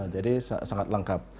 jadi sangat lengkap